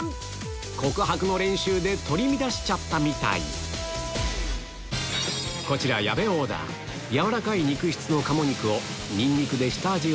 告白の練習で取り乱しちゃったみたいこちら矢部オーダー軟らかい肉質の鴨肉をニンニクで下味を付け表面をカリっとソテー